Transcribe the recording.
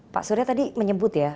pak surya tadi menyebut ya